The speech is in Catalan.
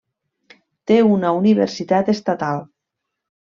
Té una universitat estatal.